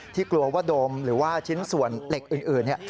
กลัวว่าโดมหรือว่าชิ้นส่วนเหล็กอื่น